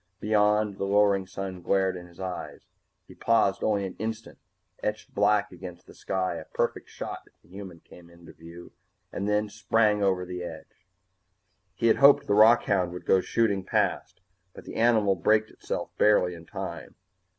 Beyond, the lowering sun glared in his eyes. He paused only an instant, etched black against the sky, a perfect shot if the human should come into view, and then he sprang over the edge. He had hoped the rockhound would go shooting past, but the animal braked itself barely in time.